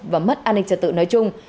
và mất an ninh trật tự nói chung